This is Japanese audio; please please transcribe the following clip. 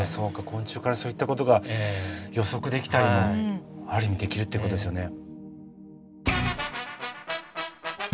昆虫からそういったことが予測できたりもある意味できるってことですよね。